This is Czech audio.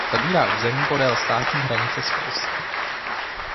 Zabírá území podél státní hranice s Polskem.